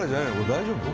大丈夫？